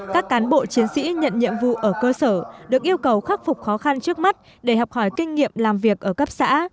các cán bộ chiến sĩ nhận nhiệm vụ ở cơ sở được yêu cầu khắc phục khó khăn trước mắt để học hỏi kinh nghiệm làm việc ở cấp xã